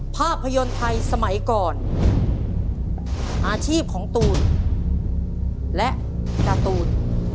ภาพยนตร์ไทยสมัยก่อนอาชีพของตูนและการ์ตูน